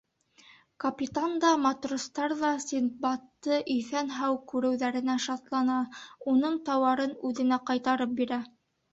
Капитан да, матростар ҙа Синдбадты иҫән-һау күреүҙәренә шатлана, уның тауарын үҙенә ҡайтарып бирә.